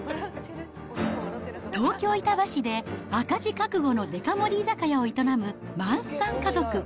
東京・板橋で、赤字覚悟のデカ盛り居酒屋を営むマンスさん家族。